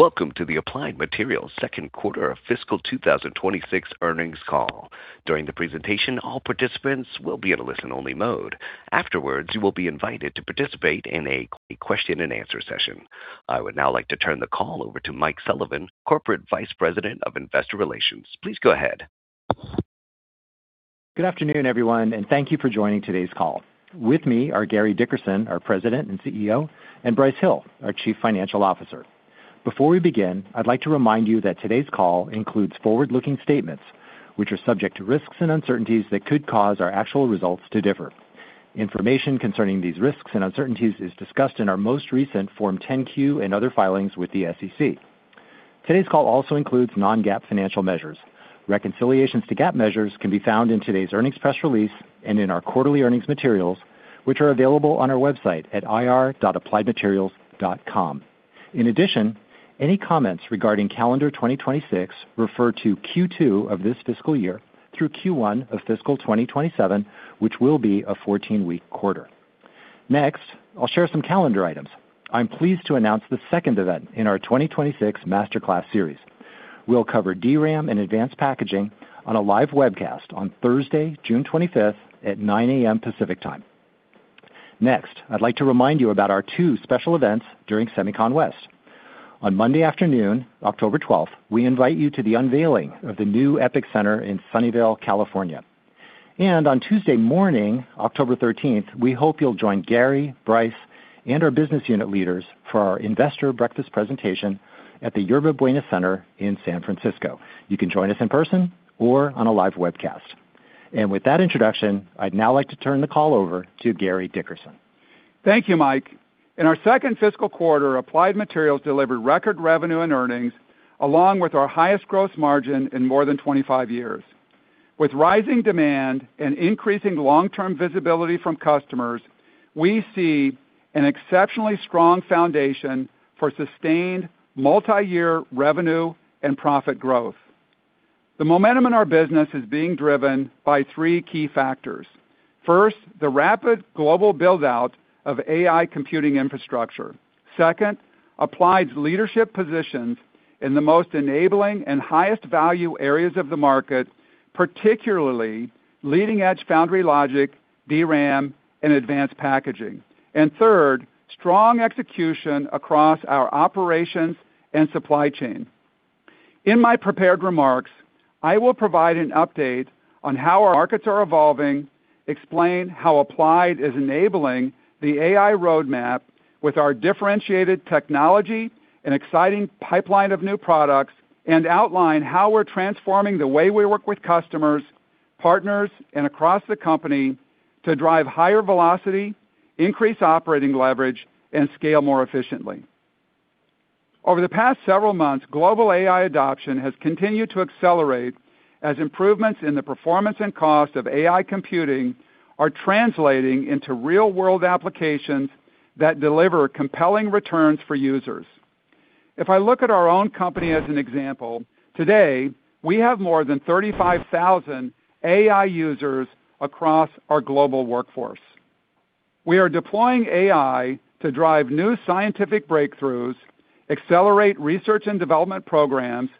Welcome to the Applied Materials second quarter fiscal 2026 earnings call. During the presentation, all participants will be in a listen-only mode. Afterwards, you will be invited to participate in a question-and-answer session. I would now like to turn the call over to Mike Sullivan, Corporate Vice President of Investor Relations. Please go ahead. Good afternoon, everyone, and thank you for joining today's call. With me are Gary Dickerson, our President and CEO, and Brice Hill, our Chief Financial Officer. Before we begin, I'd like to remind you that today's call includes forward-looking statements which are subject to risks and uncertainties that could cause our actual results to differ. Information concerning these risks and uncertainties is discussed in our most recent Form 10-Q and other filings with the SEC. Today's call also includes non-GAAP financial measures. Reconciliations to GAAP measures can be found in today's earnings press release and in our quarterly earnings materials, which are available on our website at ir.appliedmaterials.com. In addition, any comments regarding calendar 2026 refer to Q2 of this fiscal year through Q1 of fiscal 2027, which will be a 14-week quarter. Next, I'll share some calendar items. I'm pleased to announce the second event in our 2026 Master Class series. We'll cover DRAM and advanced packaging on a live webcast on Thursday, June 25th at 9:00 A.M. Pacific Time. Next, I'd like to remind you about our two special events during SEMICON West. On Monday afternoon, October 12th, we invite you to the unveiling of the new EPIC Center in Sunnyvale, California. On Tuesday morning, October 13th, we hope you'll join Gary Dickerson, Brice Hill, and our business unit leaders for our investor breakfast presentation at the Yerba Buena Center in San Francisco. You can join us in person or on a live webcast. With that introduction, I'd now like to turn the call over to Gary Dickerson. Thank you, Mike. In our second fiscal quarter, Applied Materials delivered record revenue and earnings, along with our highest gross margin in more than 25 years. With rising demand and increasing long-term visibility from customers, we see an exceptionally strong foundation for sustained multi-year revenue and profit growth. The momentum in our business is being driven by three key factors. First, the rapid global build-out of AI computing infrastructure. Second, Applied's leadership positions in the most enabling and highest value areas of the market, particularly leading-edge foundry logic, DRAM, and advanced packaging. Third, strong execution across our operations and supply chain. In my prepared remarks, I will provide an update on how our markets are evolving, explain how Applied is enabling the AI roadmap with our differentiated technology and exciting pipeline of new products, and outline how we're transforming the way we work with customers, partners, and across the company to drive higher velocity, increase operating leverage, and scale more efficiently. Over the past several months, global AI adoption has continued to accelerate as improvements in the performance and cost of AI computing are translating into real-world applications that deliver compelling returns for users. If I look at our own company as an example, today we have more than 35,000 AI users across our global workforce. We are deploying AI to drive new scientific breakthroughs, accelerate research and development programs,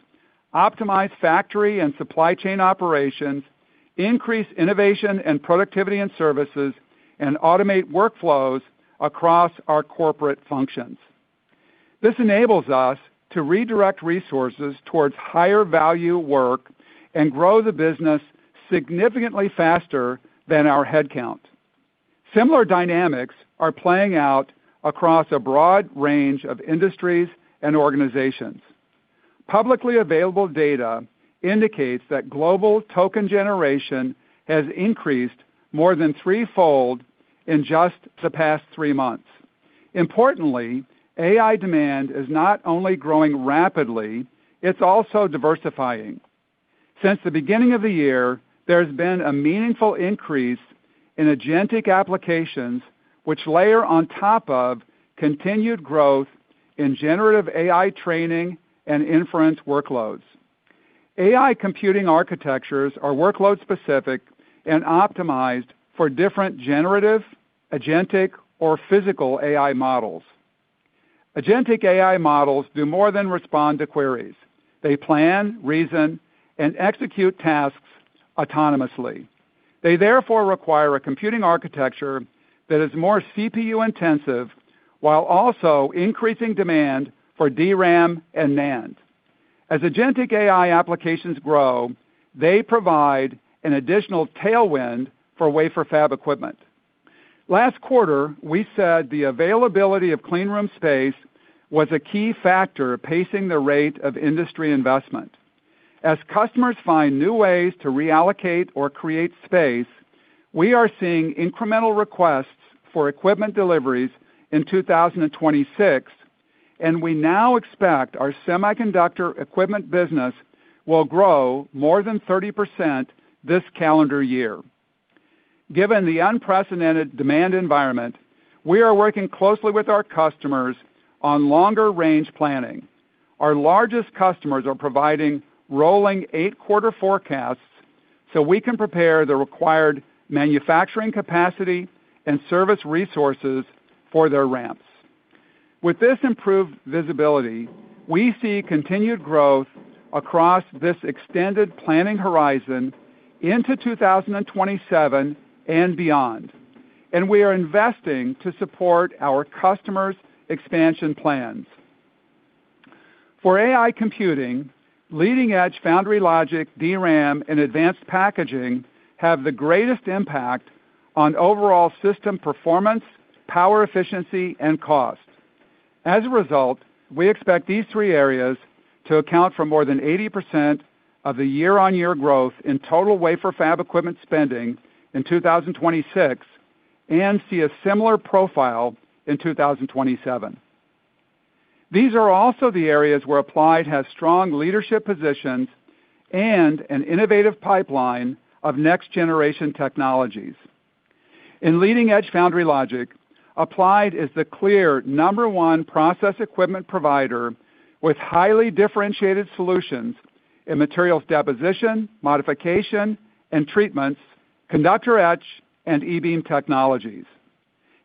optimize factory and supply chain operations, increase innovation and productivity and services, and automate workflows across our corporate functions. This enables us to redirect resources towards higher value work and grow the business significantly faster than our head count. Similar dynamics are playing out across a broad range of industries and organizations. Publicly available data indicates that global token generation has increased more than threefold in just the past three months. Importantly, AI demand is not only growing rapidly, it's also diversifying. Since the beginning of the year, there's been a meaningful increase in agentic applications which layer on top of continued growth in generative AI training and inference workloads. AI computing architectures are workload-specific and optimized for different generative, agentic, or physical AI models. Agentic AI models do more than respond to queries. They plan, reason, and execute tasks autonomously. They therefore require a computing architecture that is more CPU-intensive while also increasing demand for DRAM and NAND. As agentic AI applications grow, they provide an additional tailwind for wafer fab equipment. Last quarter, we said the availability of clean room space was a key factor pacing the rate of industry investment. As customers find new ways to reallocate or create space, we are seeing incremental requests for equipment deliveries in 2026. We now expect our semiconductor equipment business will grow more than 30% this calendar year. Given the unprecedented demand environment, we are working closely with our customers on longer-range planning. Our largest customers are providing rolling eight-quarter forecasts. We can prepare the required manufacturing capacity and service resources for their ramps. With this improved visibility, we see continued growth across this extended planning horizon into 2027 and beyond. We are investing to support our customers' expansion plans. For AI computing, leading-edge foundry logic, DRAM, and advanced packaging have the greatest impact on overall system performance, power efficiency, and cost. As a result, we expect these three areas to account for more than 80% of the year-over-year growth in total wafer fab equipment spending in 2026 and see a similar profile in 2027. These are also the areas where Applied has strong leadership positions and an innovative pipeline of next-generation technologies. In leading-edge foundry logic, Applied is the clear number 1 process equipment provider with highly differentiated solutions in materials deposition, modification, and treatments, Conductor etch, and E-beam technologies.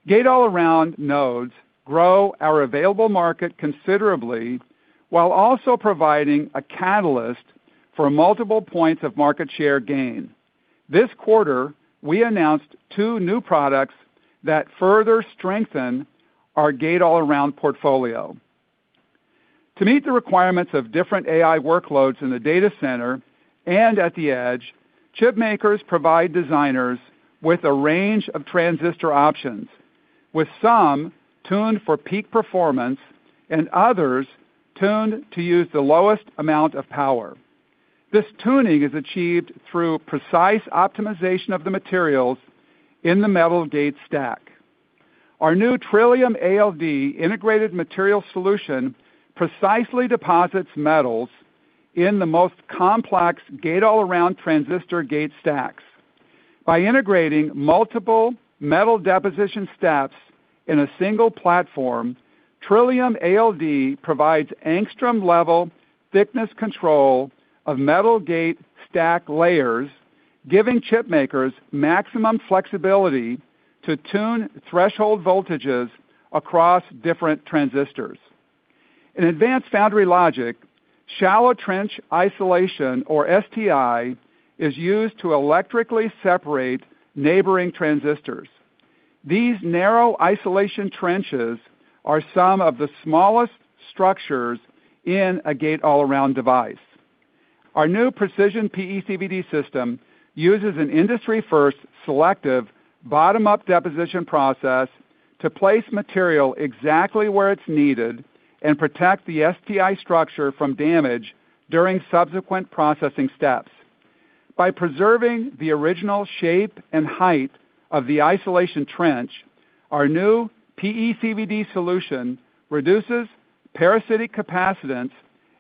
Gate-all-around nodes grow our available market considerably while also providing a catalyst for multiple points of market share gain. This quarter, we announced two new products that further strengthen our gate-all-around portfolio. To meet the requirements of different AI workloads in the data center and at the edge, chipmakers provide designers with a range of transistor options, with some tuned for peak performance and others tuned to use the lowest amount of power. This tuning is achieved through precise optimization of the materials in the metal gate stack. Our new Trillium ALD integrated material solution precisely deposits metals in the most complex gate-all-around transistor gate stacks. By integrating multiple metal deposition steps in a single platform, Trillium ALD provides angstrom-level thickness control of metal gate stack layers, giving chipmakers maximum flexibility to tune threshold voltages across different transistors. In advanced foundry logic, shallow trench isolation, or STI, is used to electrically separate neighboring transistors. These narrow isolation trenches are some of the smallest structures in a gate-all-around device. Our new Precision PECVD system uses an industry-first selective bottom-up deposition process to place material exactly where it's needed and protect the STI structure from damage during subsequent processing steps. By preserving the original shape and height of the isolation trench, our new PECVD solution reduces parasitic capacitance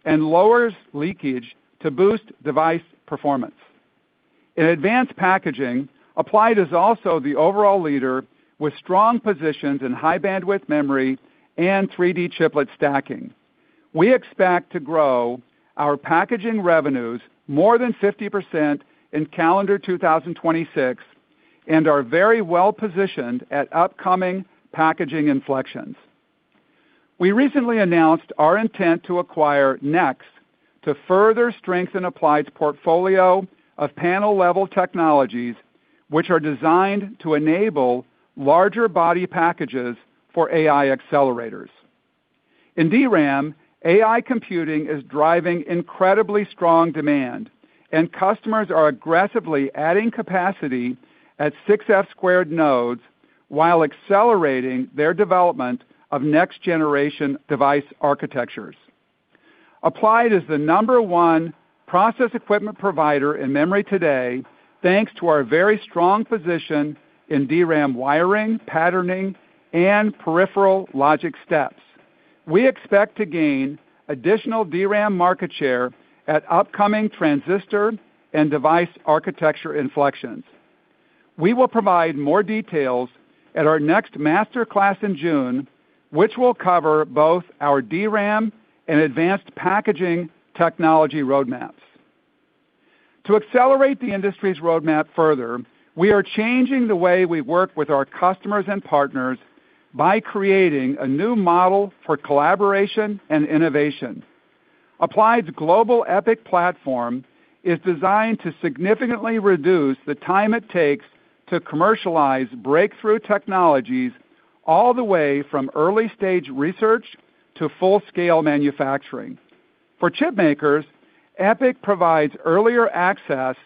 and lowers leakage to boost device performance. In advanced packaging, Applied is also the overall leader with strong positions in high-bandwidth memory and 3D chiplet stacking. We expect to grow our packaging revenues more than 50% in calendar 2026 and are very well-positioned at upcoming packaging inflections. We recently announced our intent to acquire NEXX to further strengthen Applied's portfolio of panel-level technologies, which are designed to enable larger body packages for AI accelerators. In DRAM, AI computing is driving incredibly strong demand, and customers are aggressively adding capacity at 6F² nodes while accelerating their development of next-generation device architectures. Applied is the number one process equipment provider in memory today, thanks to our very strong position in DRAM wiring, patterning, and peripheral logic steps. We expect to gain additional DRAM market share at upcoming transistor and device architecture inflections. We will provide more details at our next Master Class in June, which will cover both our DRAM and advanced packaging technology roadmaps. To accelerate the industry's roadmap further, we are changing the way we work with our customers and partners by creating a new model for collaboration and innovation. Applied's global EPIC Platform is designed to significantly reduce the time it takes to commercialize breakthrough technologies all the way from early-stage research to full-scale manufacturing. For chipmakers, EPIC provides earlier access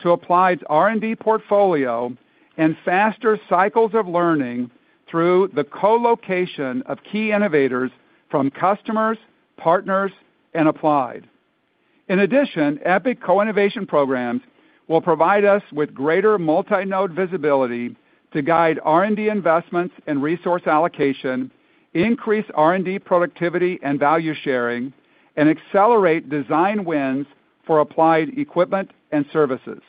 to Applied's R&D portfolio and faster cycles of learning through the co-location of key innovators from customers, partners, and Applied. In addition, EPIC co-innovation programs will provide us with greater multi-node visibility to guide R&D investments and resource allocation, increase R&D productivity and value sharing, and accelerate design wins for Applied equipment and services.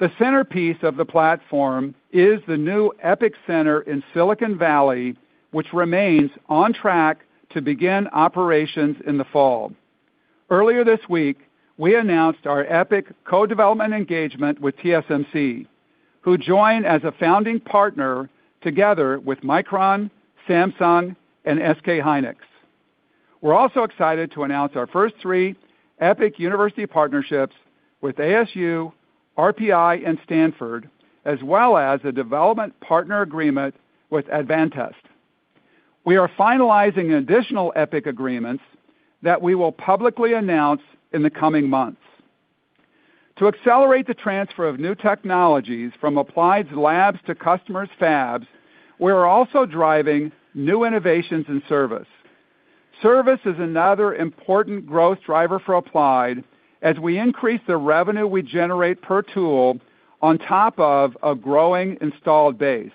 The centerpiece of the platform is the new EPIC Center in Silicon Valley, which remains on track to begin operations in the fall. Earlier this week, we announced our EPIC co-development engagement with TSMC, who joined as a founding partner together with Micron, Samsung, and SK hynix. We're also excited to announce our first three EPIC university partnerships with ASU, RPI, and Stanford, as well as a development partner agreement with Advantest. We are finalizing additional EPIC agreements that we will publicly announce in the coming months. To accelerate the transfer of new technologies from Applied's labs to customers' fabs, we are also driving new innovations in service. Service is another important growth driver for Applied as we increase the revenue we generate per tool on top of a growing installed base.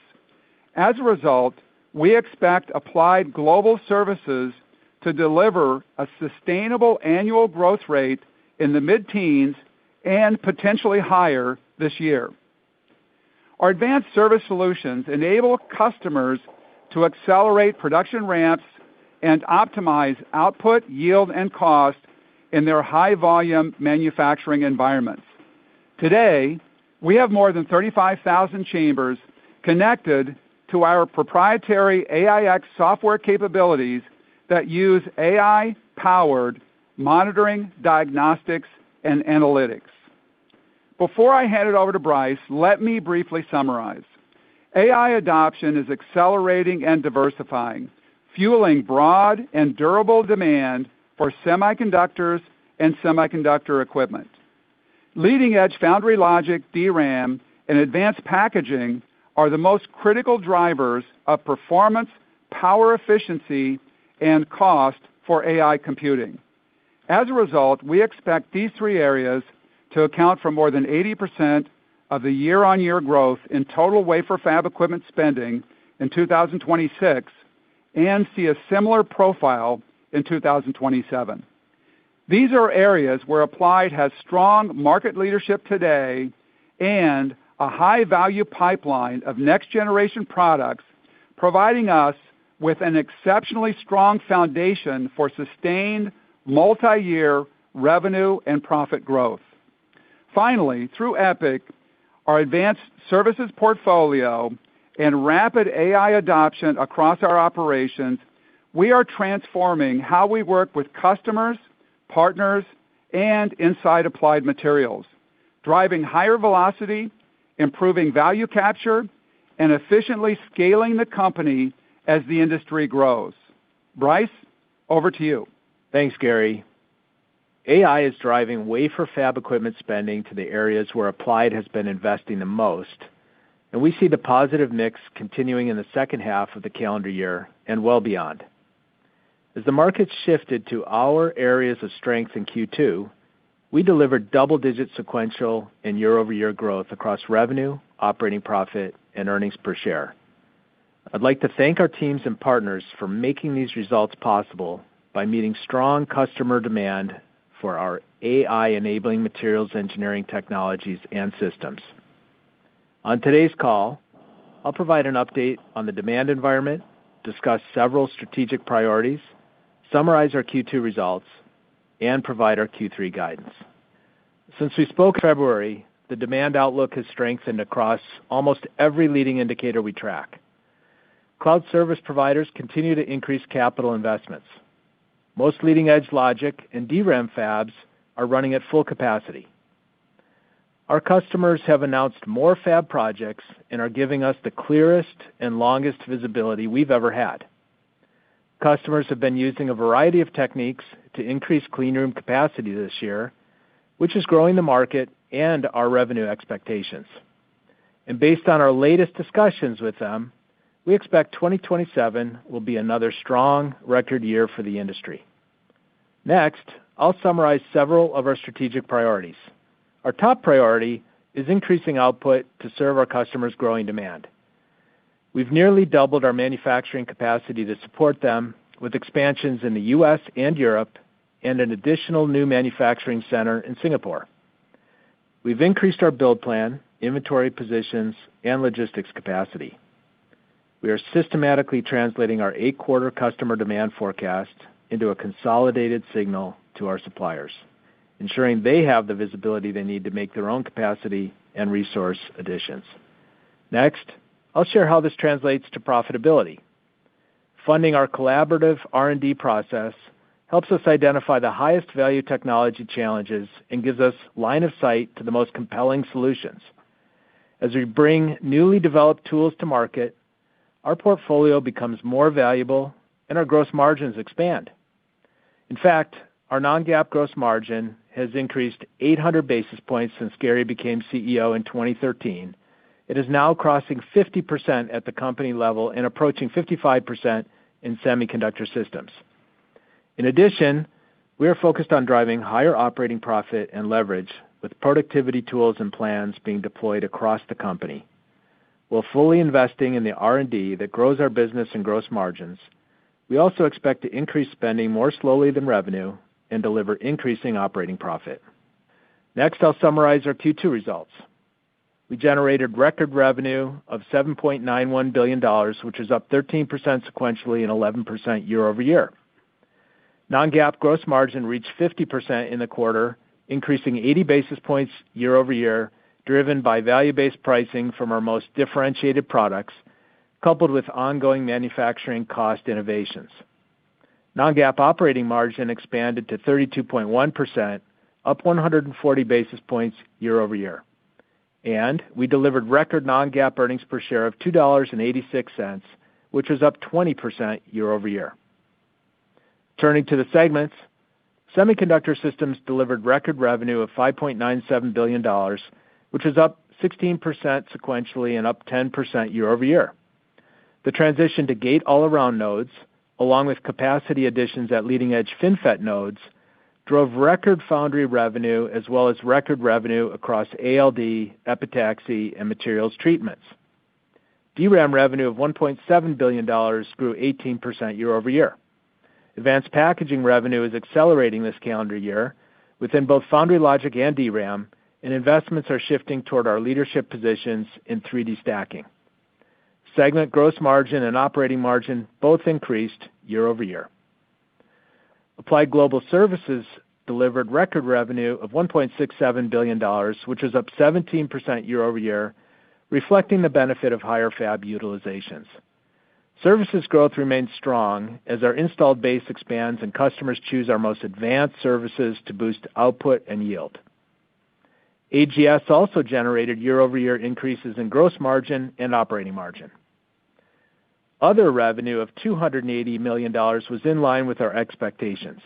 As a result, we expect Applied Global Services to deliver a sustainable annual growth rate in the mid-teens and potentially higher this year. Our advanced service solutions enable customers to accelerate production ramps and optimize output, yield, and cost in their high-volume manufacturing environments. Today, we have more than 35,000 chambers connected to our proprietary AIx software capabilities that use AI-powered monitoring, diagnostics, and analytics. Before I hand it over to Brice, let me briefly summarize. AI adoption is accelerating and diversifying, fueling broad and durable demand for semiconductors and semiconductor equipment. Leading-edge foundry logic, DRAM, and advanced packaging are the most critical drivers of performance, power efficiency, and cost for AI computing. As a result, we expect these three areas to account for more than 80% of the year-on-year growth in total wafer fab equipment spending in 2026 and see a similar profile in 2027. These are areas where Applied has strong market leadership today and a high-value pipeline of next-generation products, providing us with an exceptionally strong foundation for sustained multi-year revenue and profit growth. Finally, through EPIC, our advanced services portfolio, and rapid AI adoption across our operations, we are transforming how we work with customers, partners, and inside Applied Materials, driving higher velocity, improving value capture, and efficiently scaling the company as the industry grows. Brice, over to you. Thanks, Gary. AI is driving wafer fab equipment spending to the areas where Applied has been investing the most, and we see the positive mix continuing in the second half of the calendar year and well beyond. As the market shifted to our areas of strength in Q2, we delivered double-digit sequential and year-over-year growth across revenue, operating profit, and earnings per share. I'd like to thank our teams and partners for making these results possible by meeting strong customer demand for our AI-enabling materials engineering technologies and systems. On today's call, I'll provide an update on the demand environment, discuss several strategic priorities, summarize our Q2 results, and provide our Q3 guidance. Since we spoke in February, the demand outlook has strengthened across almost every leading indicator we track. Cloud service providers continue to increase capital investments. Most leading-edge logic and DRAM fabs are running at full capacity. Our customers have announced more fab projects and are giving us the clearest and longest visibility we've ever had. Customers have been using a variety of techniques to increase clean room capacity this year, which is growing the market and our revenue expectations. Based on our latest discussions with them, we expect 2027 will be another strong record year for the industry. Next, I'll summarize several of our strategic priorities. Our top priority is increasing output to serve our customers' growing demand. We've nearly doubled our manufacturing capacity to support them with expansions in the U.S. and Europe, and an additional new manufacturing center in Singapore. We've increased our build plan, inventory positions, and logistics capacity. We are systematically translating our eight-quarter customer demand forecast into a consolidated signal to our suppliers, ensuring they have the visibility they need to make their own capacity and resource additions. Next, I'll share how this translates to profitability. Funding our collaborative R&D process helps us identify the highest value technology challenges and gives us line of sight to the most compelling solutions. As we bring newly developed tools to market, our portfolio becomes more valuable and our gross margins expand. In fact, our non-GAAP gross margin has increased 800 basis points since Gary became CEO in 2013. It is now crossing 50% at the company level and approaching 55% in Semiconductor Systems. In addition, we are focused on driving higher operating profit and leverage with productivity tools and plans being deployed across the company. While fully investing in the R&D that grows our business and gross margins, we also expect to increase spending more slowly than revenue and deliver increasing operating profit. Next, I'll summarize our Q2 results. We generated record revenue of $7.91 billion, which is up 13% sequentially and 11% year-over-year. Non-GAAP gross margin reached 50% in the quarter, increasing 80 basis points year-over-year, driven by value-based pricing from our most differentiated products, coupled with ongoing manufacturing cost innovations. Non-GAAP operating margin expanded to 32.1%, up 140 basis points year-over-year. We delivered record Non-GAAP earnings per share of $2.86, which was up 20% year-over-year. Turning to the segments, Semiconductor Systems delivered record revenue of $5.97 billion, which is up 16% sequentially and up 10% year-over-year. The transition to gate-all-around nodes, along with capacity additions at leading-edge FinFET nodes, drove record foundry revenue as well as record revenue across ALD, epitaxy, and materials treatments. DRAM revenue of $1.7 billion grew 18% year-over-year. Advanced packaging revenue is accelerating this calendar year within both foundry logic and DRAM, and investments are shifting toward our leadership positions in 3D stacking. Segment gross margin and operating margin both increased year-over-year. Applied Global Services delivered record revenue of $1.67 billion, which is up 17% year-over-year, reflecting the benefit of higher fab utilizations. Services growth remains strong as our installed base expands and customers choose our most advanced services to boost output and yield. AGS also generated year-over-year increases in gross margin and operating margin. Other revenue of $280 million was in line with our expectations.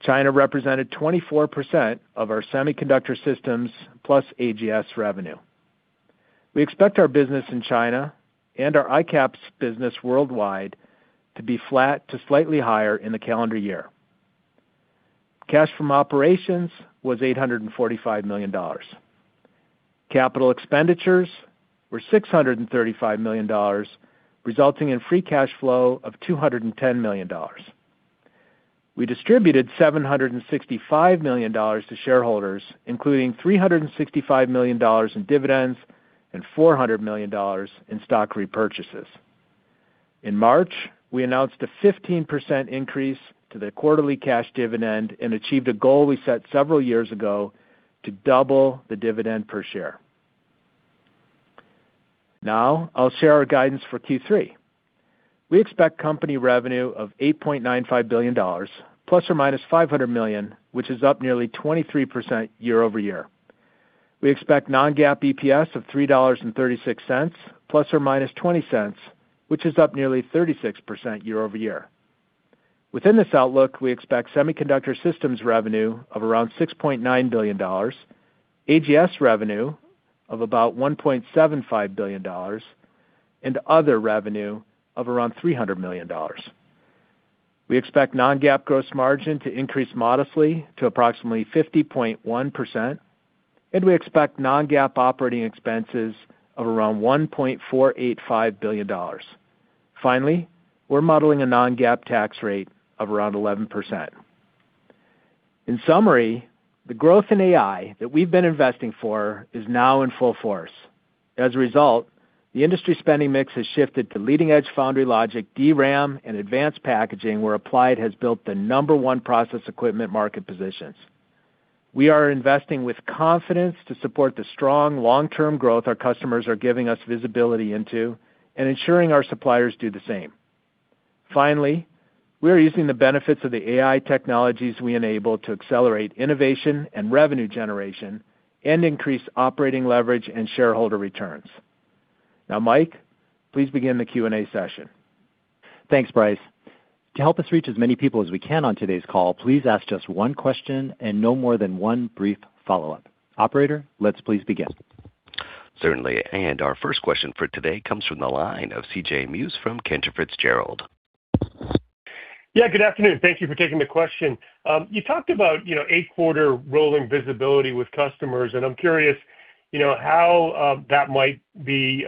China represented 24% of our Semiconductor Systems plus AGS revenue. We expect our business in China and our ICAPS business worldwide to be flat to slightly higher in the calendar year. Cash from operations was $845 million. Capital expenditures were $635 million, resulting in free cash flow of $210 million. We distributed $765 million to shareholders, including $365 million in dividends and $400 million in stock repurchases. In March, we announced a 15% increase to the quarterly cash dividend and achieved a goal we set several years ago to double the dividend per share. Now, I'll share our guidance for Q3. We expect company revenue of $8.95 billion, ±$500 million, which is up nearly 23% year-over-year. We expect non-GAAP EPS of $3.36, ±$0.20, which is up nearly 36% year-over-year. Within this outlook, we expect Semiconductor Systems revenue of around $6.9 billion, AGS revenue of about $1.75 billion, and other revenue of around $300 million. We expect non-GAAP gross margin to increase modestly to approximately 50.1%, and we expect non-GAAP operating expenses of around $1.485 billion. Finally, we're modeling a non-GAAP tax rate of around 11%. In summary, the growth in AI that we've been investing for is now in full force. As a result, the industry spending mix has shifted to leading-edge foundry logic, DRAM, and advanced packaging, where Applied has built the number one process equipment market positions. We are investing with confidence to support the strong long-term growth our customers are giving us visibility into and ensuring our suppliers do the same. Finally, we are using the benefits of the AI technologies we enable to accelerate innovation and revenue generation and increase operating leverage and shareholder returns. Now, Mike, please begin the Q&A session. Thanks, Brice. To help us reach as many people as we can on today's call, please ask just one question and no more than one brief follow-up. Operator, let's please begin. Certainly. Our first question for today comes from the line of CJ Muse from Cantor Fitzgerald. Yeah, good afternoon. Thank you for taking the question. You talked about, you know, eight-quarter rolling visibility with customers, and I'm curious, you know, how that might be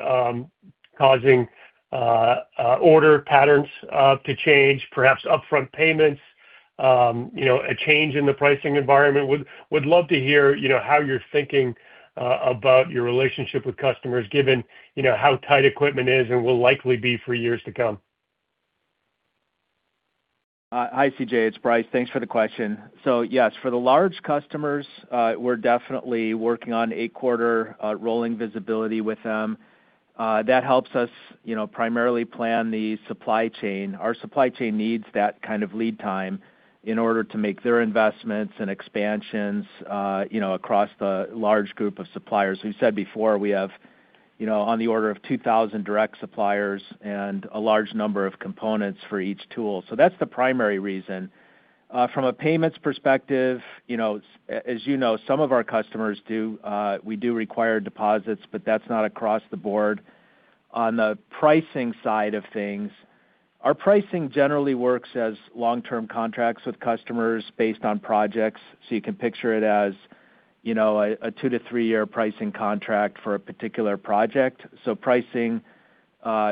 causing order patterns to change, perhaps upfront payments, you know, a change in the pricing environment. Would love to hear, you know, how you're thinking about your relationship with customers given, you know, how tight equipment is and will likely be for years to come. Hi, CJ It's Brice. Thanks for the question. Yes, for the large customers, we're definitely working on 8-quarter rolling visibility with them. That helps us, you know, primarily plan the supply chain. Our supply chain needs that kind of lead time in order to make their investments and expansions, you know, across the large group of suppliers. We've said before, we have, you know, on the order of 2,000 direct suppliers and a large number of components for each tool. That's the primary reason. From a payments perspective, you know, as you know, some of our customers, we do require deposits, but that's not across the board. On the pricing side of things, our pricing generally works as long-term contracts with customers based on projects. You can picture it as, you know, a two to three-year pricing contract for a particular project. Pricing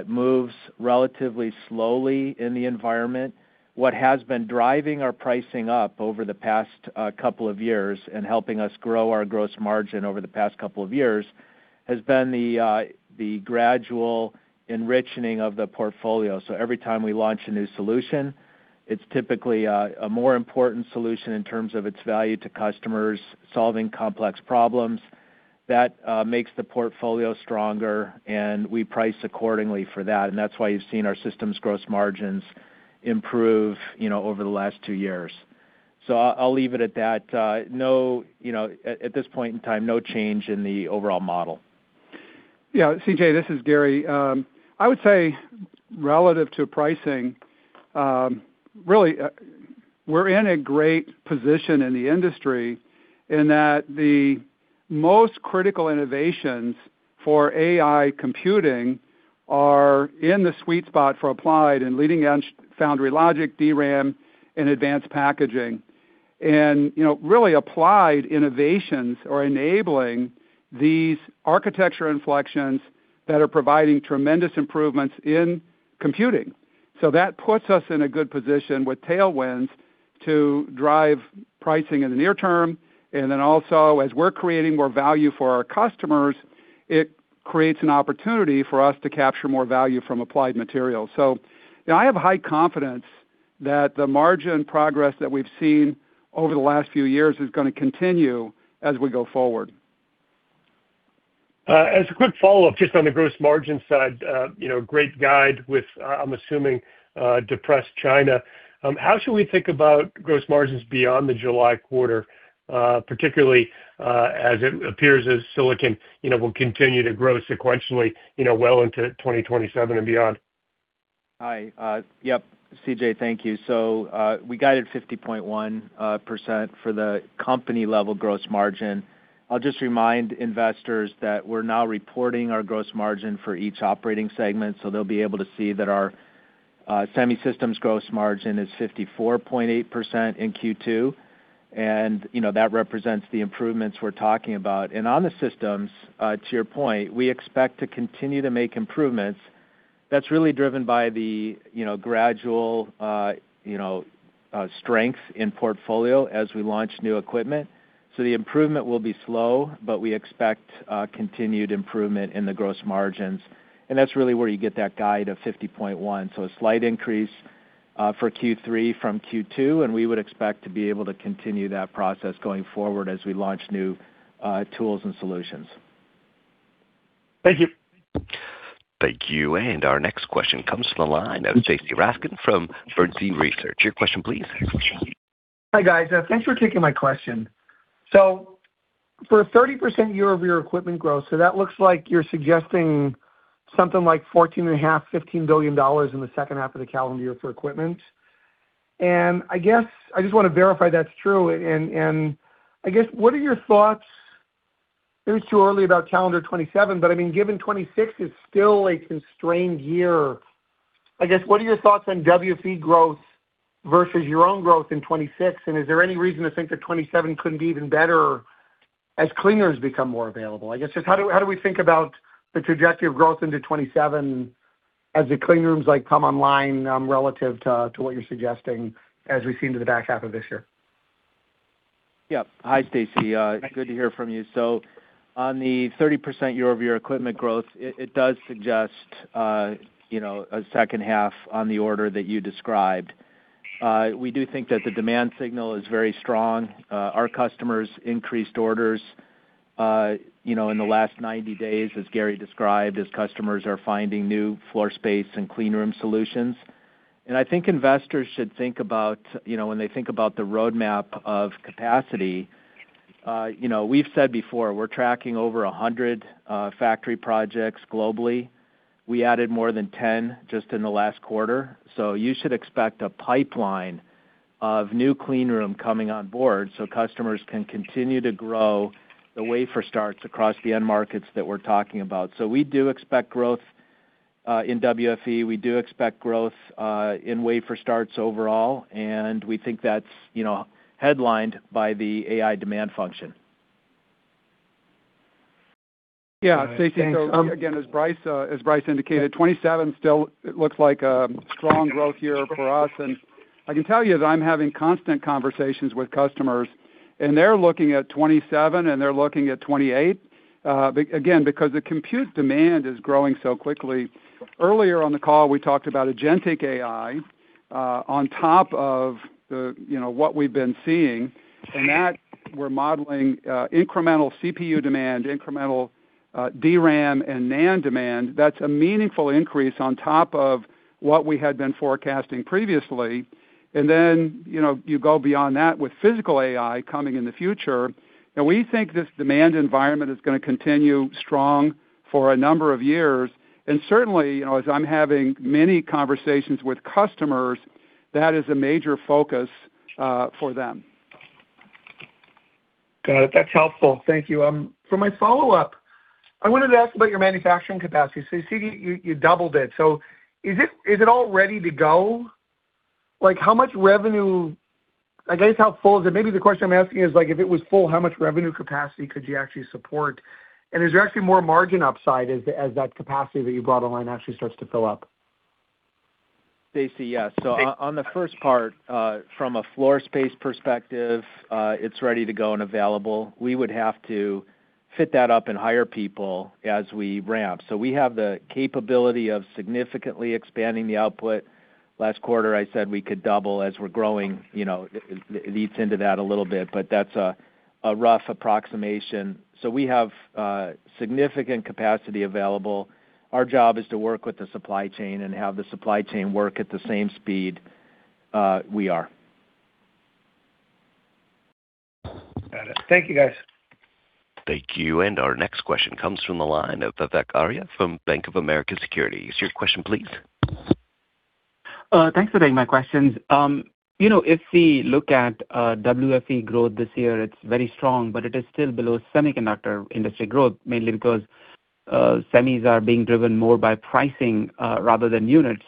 moves relatively slowly in the environment. What has been driving our pricing up over the past couple of years and helping us grow our gross margin over the past couple of years, has been the gradual enriching of the portfolio. Every time we launch a new solution, it's typically a more important solution in terms of its value to customers solving complex problems. That makes the portfolio stronger, and we price accordingly for that, and that's why you've seen our systems gross margins improve, you know, over the last two years. I'll leave it at that. No, you know, at this point in time, no change in the overall model. Yeah, CJ, this is Gary. I would say relative to pricing, really, we're in a great position in the industry in that the most critical innovations for AI computing are in the sweet spot for Applied and leading-edge foundry logic, DRAM, and advanced packaging. You know, really Applied innovations are enabling these architecture inflections that are providing tremendous improvements in computing. That puts us in a good position with tailwinds to drive pricing in the near term, and then also as we're creating more value for our customers, it creates an opportunity for us to capture more value from Applied Materials. You know, I have high confidence that the margin progress that we've seen over the last few years is gonna continue as we go forward. As a quick follow-up, just on the gross margin side, you know, great guide with, I'm assuming, depressed China. How should we think about gross margins beyond the July quarter, particularly as it appears as silicon, you know, will continue to grow sequentially, you know, well into 2027 and beyond? Hi. Yep. CJ, thank you. We guided 50.1% for the company-level gross margin. I'll just remind investors that we're now reporting our gross margin for each operating segment, they'll be able to see that our Semi Systems gross margin is 54.8% in Q2, you know, that represents the improvements we're talking about. On the systems, to your point, we expect to continue to make improvements. That's really driven by the, you know, gradual, you know, strength in portfolio as we launch new equipment. The improvement will be slow, but we expect continued improvement in the gross margins, that's really where you get that guide of 50.1. A slight increase for Q3 from Q2, and we would expect to be able to continue that process going forward as we launch new tools and solutions. Thank you. Thank you. Our next question comes from the line of Stacy Rasgon from Bernstein Research. Your question please. Hi, guys. Thanks for taking my question. For a 30% year-over-year equipment growth, so that looks like you're suggesting something like $14.5 billion-$15 billion in the second half of the calendar year for equipment. I guess I just wanna verify that's true. I guess what are your thoughts, maybe it's too early about calendar 2027, but I mean, given 2026 is still a constrained year, I guess what are your thoughts on WFE growth versus your own growth in 2026? Is there any reason to think that 2027 couldn't be even better as clean rooms become more available? I guess just how do we think about the trajectory of growth into 2027 as the clean rooms, like, come online, relative to what you're suggesting as we see into the back half of this year? Yep. Hi, Stacy. Good to hear from you. On the 30% year-over-year equipment growth, it does suggest, you know, a second half on the order that you described. We do think that the demand signal is very strong. Our customers increased orders, you know, in the last 90 days, as Gary described, as customers are finding new floor space and clean room solutions. I think investors should think about, you know, when they think about the roadmap of capacity, you know, we've said before, we're tracking over 100 factory projects globally. We added more than 10 just in the last quarter. You should expect a pipeline of new clean room coming on board so customers can continue to grow the wafer starts across the end markets that we're talking about. We do expect growth in WFE. We do expect growth in wafer starts overall. We think that's, you know, headlined by the AI demand function. Yeah. Stacy, again, as Brice indicated, 2027 still looks like a strong growth year for us. I can tell you that I'm having constant conversations with customers, and they're looking at 2027, and they're looking at 2028, again, because the compute demand is growing so quickly. Earlier on the call, we talked about agentic AI, on top of the, you know, what we've been seeing, and that we're modeling, incremental CPU demand, incremental, DRAM and NAND demand. That's a meaningful increase on top of what we had been forecasting previously. You know, you go beyond that with physical AI coming in the future, and we think this demand environment is gonna continue strong for a number of years. Certainly, you know, as I'm having many conversations with customers, that is a major focus for them. Got it. That's helpful. Thank you. For my follow-up, I wanted to ask about your manufacturing capacity. You said you doubled it. Is it all ready to go? How much revenue I guess, how full is it? Maybe the question I'm asking is, if it was full, how much revenue capacity could you actually support? Is there actually more margin upside as that capacity that you brought online actually starts to fill up? Stacy, yes. On the first part, from a floor space perspective, it's ready to go and available. We would have to fit that up and hire people as we ramp. We have the capability of significantly expanding the output. Last quarter I said we could double as we're growing, you know, it leads into that a little bit, but that's a rough approximation. We have significant capacity available. Our job is to work with the supply chain and have the supply chain work at the same speed we are. Got it. Thank you, guys. Thank you. Our next question comes from the line of Vivek Arya from Bank of America Securities. Your question please. Thanks for taking my questions. You know, if we look at WFE growth this year, it's very strong, but it is still below semiconductor industry growth, mainly because semis are being driven more by pricing rather than units.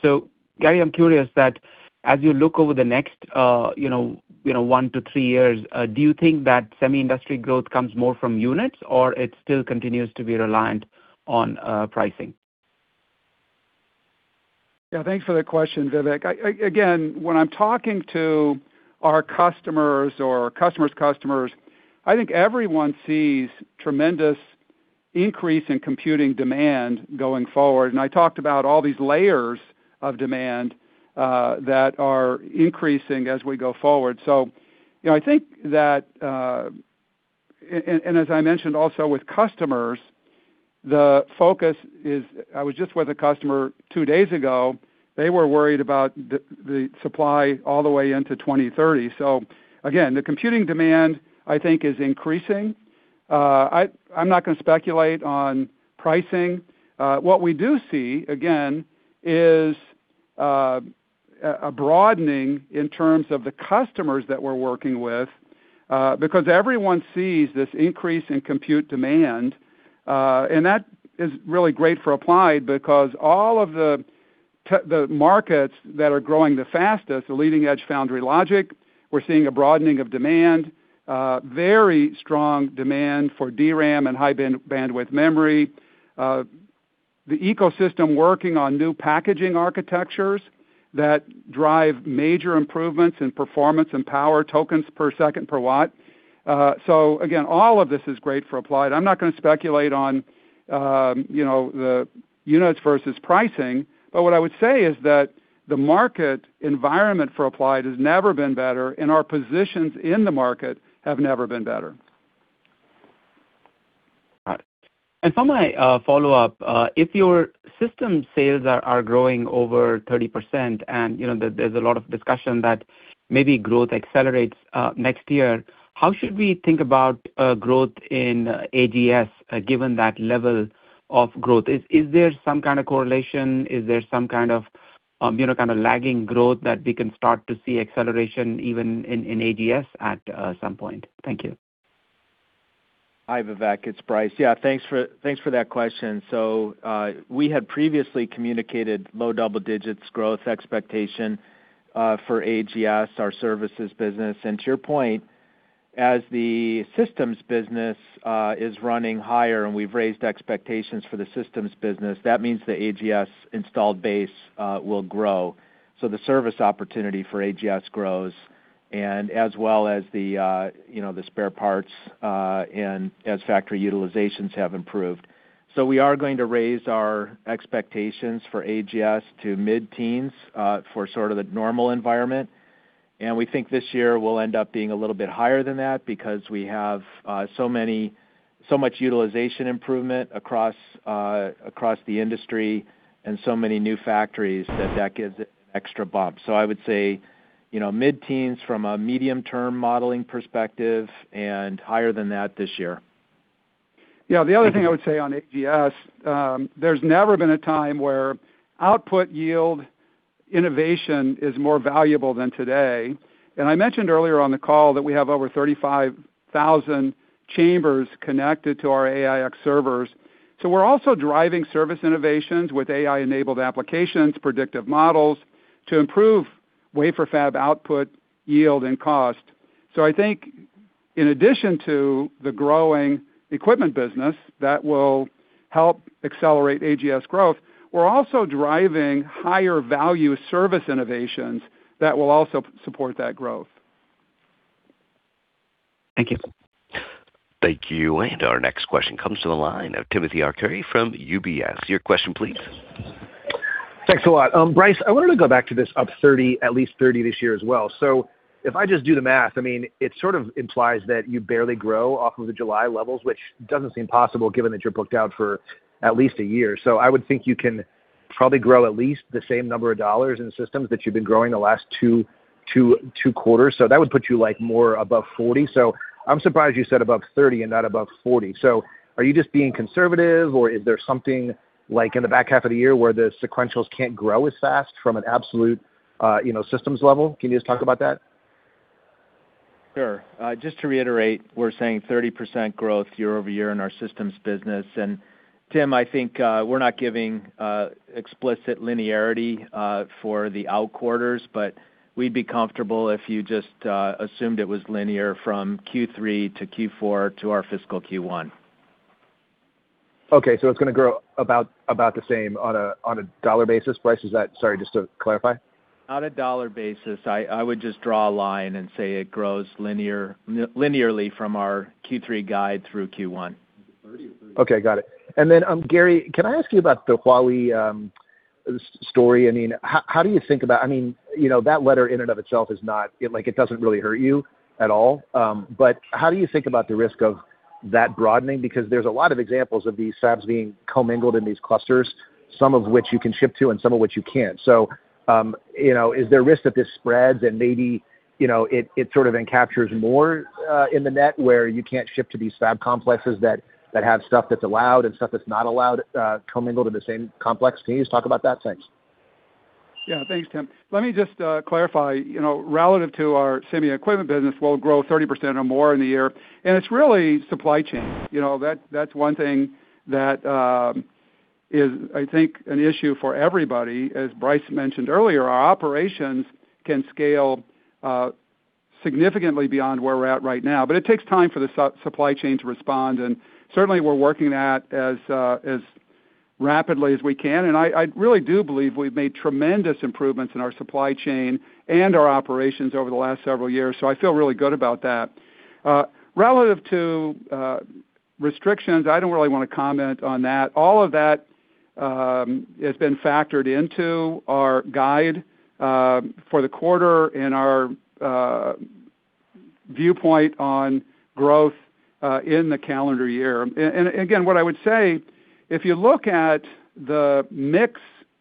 Gary, I'm curious that as you look over the next, you know, one to three years, do you think that semi industry growth comes more from units or it still continues to be reliant on pricing? Yeah, thanks for the question, Vivek. I, again, when I'm talking to our customers or customers' customers, I think everyone sees tremendous increase in computing demand going forward. I talked about all these layers of demand that are increasing as we go forward. You know, I think that, and as I mentioned also with customers, I was just with a customer two days ago. They were worried about the supply all the way into 2030. Again, the computing demand, I think, is increasing. I'm not gonna speculate on pricing. What we do see, again, is a broadening in terms of the customers that we're working with because everyone sees this increase in compute demand. That is really great for Applied because all of the markets that are growing the fastest, the leading edge foundry logic, we're seeing a broadening of demand, very strong demand for DRAM and high-bandwidth memory. The ecosystem working on new packaging architectures that drive major improvements in performance and power tokens per second per watt. Again, all of this is great for Applied. I'm not gonna speculate on, you know, the units versus pricing, but what I would say is that the market environment for Applied has never been better, and our positions in the market have never been better. Got it. For my follow-up, if your system sales are growing over 30% and, you know, there's a lot of discussion that maybe growth accelerates next year, how should we think about growth in AGS given that level of growth? Is there some kind of correlation? Is there some kind of, you know, kind of lagging growth that we can start to see acceleration even in AGS at some point? Thank you. Hi, Vivek. It's Brice. Thanks for that question. We had previously communicated low double digits growth expectation for AGS, our services business. To your point, as the systems business is running higher and we've raised expectations for the systems business, that means the AGS installed base will grow. The service opportunity for AGS grows and as well as the, you know, the spare parts, and as factory utilizations have improved. We are going to raise our expectations for AGS to mid-teens for sort of the normal environment. We think this year will end up being a little bit higher than that because we have so much utilization improvement across the industry and so many new factories that that gives it extra bump. I would say, you know, mid-teens from a medium-term modeling perspective and higher than that this year. Yeah. The other thing I would say on AGS, there's never been a time where output yield innovation is more valuable than today. I mentioned earlier on the call that we have over 35,000 chambers connected to our AIx servers. We're also driving service innovations with AI-enabled applications, predictive models to improve wafer fab output, yield and cost. I think in addition to the growing equipment business that will help accelerate AGS growth, we're also driving higher value service innovations that will also support that growth. Thank you. Thank you. Our next question comes to the line of Timothy Arcuri from UBS. Your question please. Thanks a lot. Brice, I wanted to go back to this up $30, at least $30 this year as well. If I just do the math, I mean, it sort of implies that you barely grow off of the July levels, which doesn't seem possible given that you're booked out for at least one year. I would think you can probably grow at least the same number of dollars in systems that you've been growing the last two quarters. That would put you, like, more above $40. I'm surprised you said above $30 and not above $40. Are you just being conservative or is there something, like, in the back half of the year where the sequentials can't grow as fast from an absolute, you know, systems level? Can you just talk about that? Sure. Just to reiterate, we're saying 30% growth year-over-year in our Systems Business. Tim, I think, we're not giving explicit linearity for the out quarters, but we'd be comfortable if you just assumed it was linear from Q3-Q4 to our fiscal Q1. Okay. It's gonna grow about the same on a dollar basis, Brice. Is that? Sorry, just to clarify. On a dollar basis, I would just draw a line and say it grows linearly from our Q3 guide through Q1. Okay, got it. Gary, can I ask you about the Huawei story? How do you think about, you know, that letter in and of itself is not, like, it doesn't really hurt you at all, how do you think about the risk of that broadening? There's a lot of examples of these fabs being commingled in these clusters, some of which you can ship to and some of which you can't. You know, is there a risk that this spreads and maybe, you know, it sort of encaptures more in the net where you can't ship to these fab complexes that have stuff that's allowed and stuff that's not allowed, commingled in the same complex? Can you just talk about that? Thanks. Yeah. Thanks, Tim. Let me just clarify. You know, relative to our semi equipment business, we'll grow 30% or more in the year. It's really supply chain. You know, that's one thing that is, I think, an issue for everybody. As Brice mentioned earlier, our operations can scale significantly beyond where we're at right now. It takes time for the supply chain to respond, certainly we're working at as rapidly as we can. I really do believe we've made tremendous improvements in our supply chain and our operations over the last several years, so I feel really good about that. Relative to restrictions, I don't really wanna comment on that. All of that has been factored into our guide for the quarter and our viewpoint on growth in the calendar year. Again, what I would say, if you look at the mix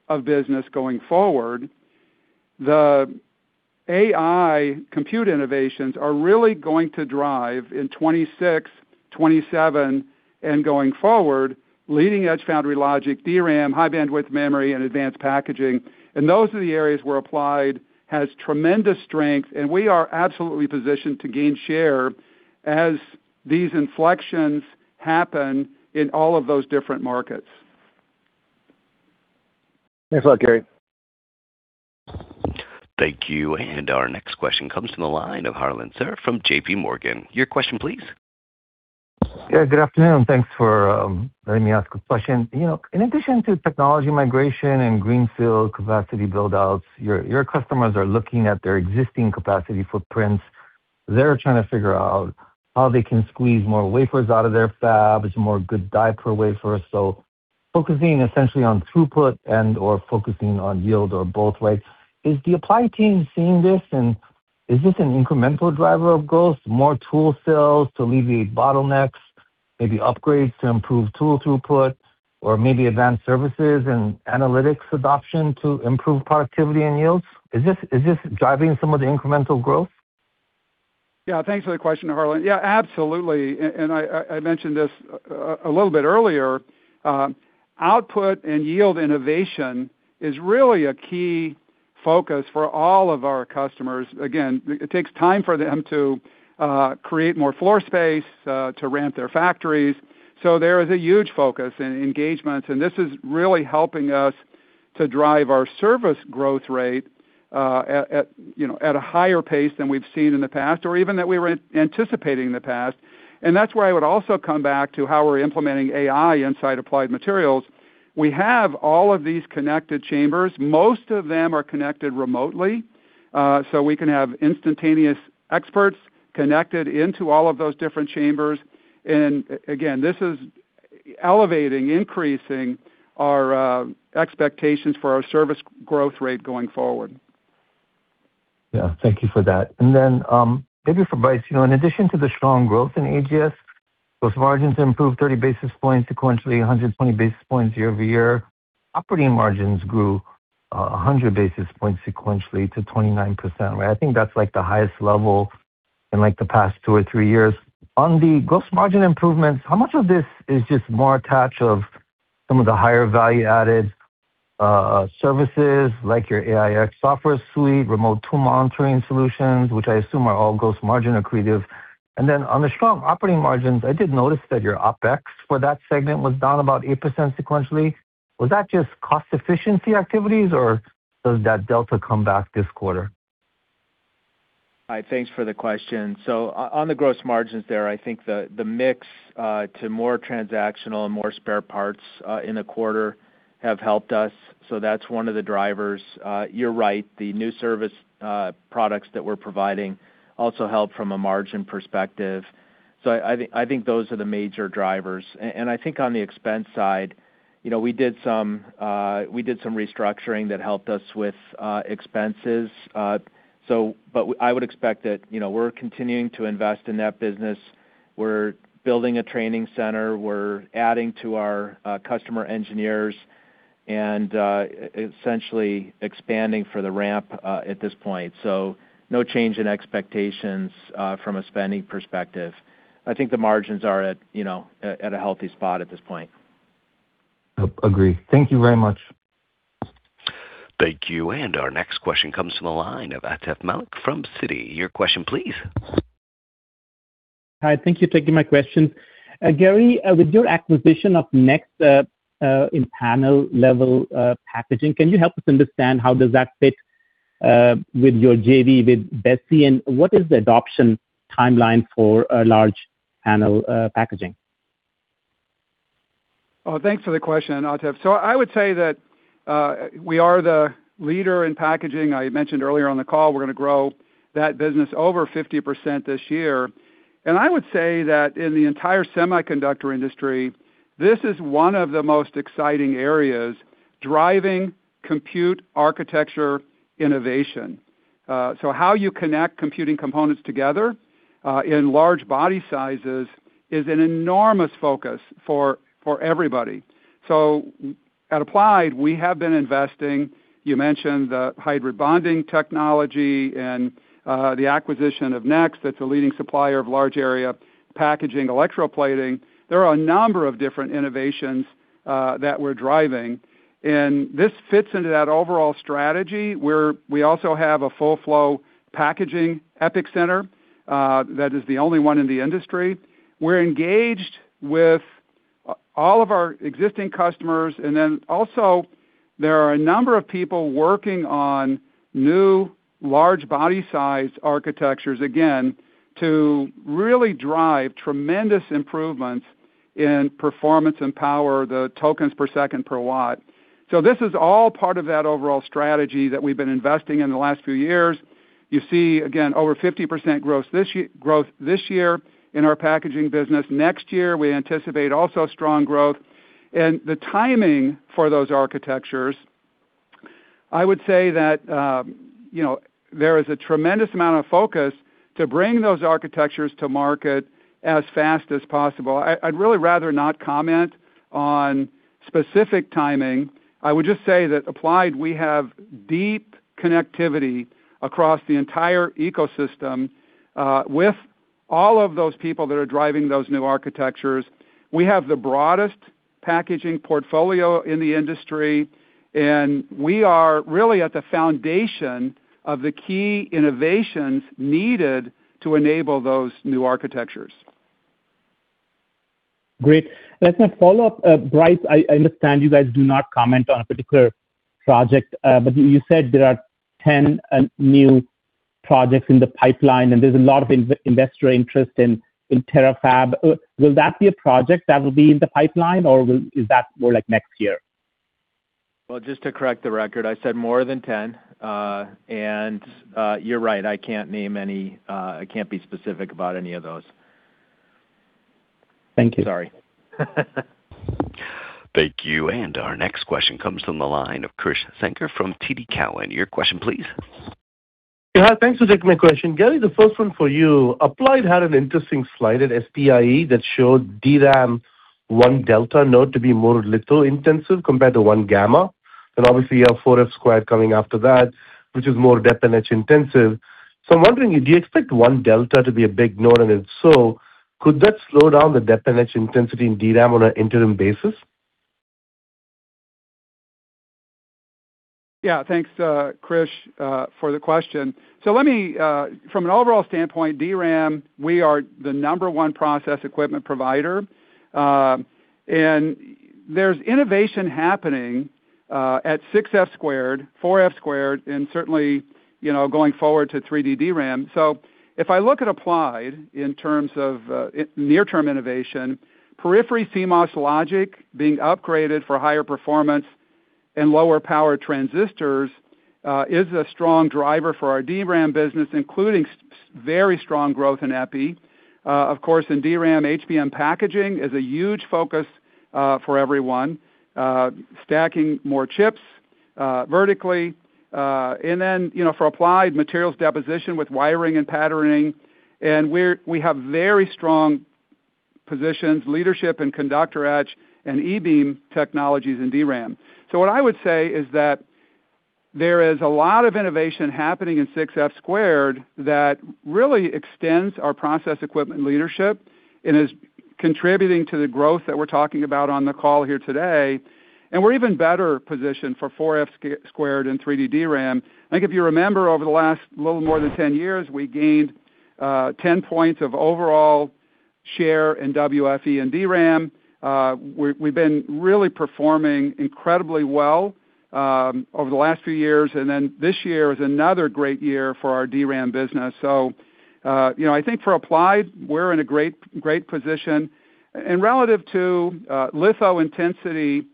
of business going forward, the AI compute innovations are really going to drive, in 2026, 2027 and going forward, leading-edge foundry logic, DRAM, high-bandwidth memory and advanced packaging. Those are the areas where Applied has tremendous strength, and we are absolutely positioned to gain share as these inflections happen in all of those different markets. Thanks a lot, Gary. Thank you. Our next question comes from the line of Harlan Sur from JPMorgan. Your question please. Yeah, good afternoon. Thanks for letting me ask a question. You know, in addition to technology migration and greenfield capacity build-outs, your customers are looking at their existing capacity footprints. They're trying to figure out how they can squeeze more wafers out of their fabs, more good die per wafer. Focusing essentially on throughput and/or focusing on yield or both ways. Is the Applied team seeing this, and is this an incremental driver of growth, more tool sales to alleviate bottlenecks, maybe upgrades to improve tool throughput or maybe advanced services and analytics adoption to improve productivity and yields? Is this driving some of the incremental growth? Thanks for the question, Harlan. Absolutely, I mentioned this a little bit earlier. Output and yield innovation is really a key focus for all of our customers. It takes time for them to create more floor space to ramp their factories. There is a huge focus and engagement, and this is really helping us to drive our service growth rate at, you know, at a higher pace than we've seen in the past or even that we were anticipating in the past. That's where I would also come back to how we're implementing AI inside Applied Materials. We have all of these connected chambers. Most of them are connected remotely, we can have instantaneous experts connected into all of those different chambers. Again, this is elevating, increasing our expectations for our service growth rate going forward. Yeah. Thank you for that. Then, maybe for Brice. You know, in addition to the strong growth in AGS, those margins improved 30 basis points sequentially, 120 basis points year-over-year. Operating margins grew 100 basis points sequentially to 29%, right? I think that's, like, the highest level in, like, the past two or three years. On the gross margin improvements, how much of this is just more a touch of some of the higher value-added services like your AIx software suite, remote tool monitoring solutions, which I assume are all gross margin accretive? Then on the strong operating margins, I did notice that your OpEx for that segment was down about 8% sequentially. Was that just cost efficiency activities, or does that delta come back this quarter? Hi, thanks for the question. On the gross margins there, I think the mix, to more transactional and more spare parts, in the quarter have helped us, so that's one of the drivers. You're right, the new service, products that we're providing also help from a margin perspective. I think those are the major drivers. I think on the expense side, you know, we did some restructuring that helped us with expenses. I would expect that, you know, we're continuing to invest in that business. We're building a training center. We're adding to our, customer engineers and, essentially expanding for the ramp, at this point. No change in expectations, from a spending perspective. I think the margins are at, you know, at a healthy spot at this point. Oh, agree. Thank you very much. Thank you. Our next question comes from the line of Atif Malik from Citi. Your question please. Hi. Thank you for taking my question. Gary, with your acquisition of NEXX in panel level packaging, can you help us understand how does that fit with your JV with Besi, and what is the adoption timeline for a large panel packaging? Thanks for the question, Atif. I would say that we are the leader in packaging. I mentioned earlier on the call we're gonna grow that business over 50% this year. I would say that in the entire semiconductor industry, this is one of the most exciting areas, driving compute architecture innovation. How you connect computing components together in large body sizes is an enormous focus for everybody. At Applied, we have been investing. You mentioned the hybrid bonding technology and the acquisition of NEXX, that's a leading supplier of large area packaging electroplating. There are a number of different innovations that we're driving, this fits into that overall strategy where we also have a full flow packaging EPIC Center that is the only one in the industry. We're engaged with all of our existing customers. Also there are a number of people working on new large body size architectures, again, to really drive tremendous improvements in performance and power, the tokens per second per watt. This is all part of that overall strategy that we've been investing in the last few years. You see, again, over 50% growth this year in our packaging business. Next year, we anticipate also strong growth. The timing for those architectures, I would say that, you know, there is a tremendous amount of focus to bring those architectures to market as fast as possible. I'd really rather not comment on specific timing. I would just say that Applied, we have deep connectivity across the entire ecosystem, with all of those people that are driving those new architectures. We have the broadest packaging portfolio in the industry, and we are really at the foundation of the key innovations needed to enable those new architectures. Great. As a follow-up, Brice, I understand you guys do not comment on a particular project, but you said there are 10 new projects in the pipeline, and there's a lot of investor interest in Taylor fab. Will that be a project that will be in the pipeline, or is that more like next year? Well, just to correct the record, I said more than 10. You're right, I can't name any, I can't be specific about any of those. Thank you. Sorry. Thank you. Our next question comes from the line of Krish Sankar from TD Cowen. Your question please. Yeah, thanks for taking my question. Gary, the first one for you. Applied had an interesting slide at SPIE that showed DRAM 1-delta node to be more litho intensive compared to 1-gamma. Obviously you have 4F² coming after that, which is more dep and etch intensive. I'm wondering, do you expect 1-delta to be a big node, and if so, could that slow down the dep and etch intensity in DRAM on an interim basis? Yeah, thanks, Krish, for the question. Let me, from an overall standpoint, DRAM, we are the number one process equipment provider. There's innovation happening at 6F², 4F², and certainly, you know, going forward to 3D DRAM. If I look at Applied in terms of near term innovation, periphery CMOS logic being upgraded for higher performance and lower power transistors is a strong driver for our DRAM business, including very strong growth in epi. Of course, in DRAM, HBM packaging is a huge focus for everyone, stacking more chips vertically. Then, you know, for Applied, materials deposition with wiring and patterning, we have very strong positions, leadership in conductor etch and E-beam technologies in DRAM. What I would say is that there is a lot of innovation happening in 6F² that really extends our process equipment leadership and is contributing to the growth that we're talking about on the call here today, and we're even better positioned for 4F² and 3D DRAM. I think if you remember over the last little more than 10 years, we gained 10 points of overall share in WFE and DRAM. We've been really performing incredibly well over the last few years, this year is another great year for our DRAM business. You know, I think for Applied, we're in a great position. Relative to litho intensity,